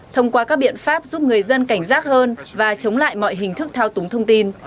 thông qua các biện pháp giúp người dân cảnh giác hơn và chống lại mọi hình thức thao túng thông tin